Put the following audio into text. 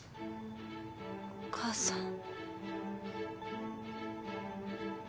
お母さん。